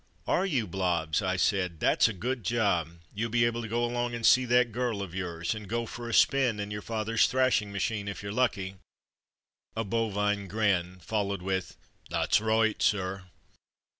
'' "Are you, Blobbs.?'' I said, "that's a good job. You'll be able to go along and see that girl of yours — and go for a spin in your father's thrashing machine if you're lucky. " A bovine grin, followed with, "That's roight, sir."